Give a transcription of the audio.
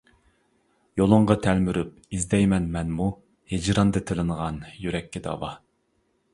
يولۇڭغا تەلمۈرۈپ ئىزدەيمەن مەنمۇ ھىجراندا تىلىنغان يۈرەككە داۋا.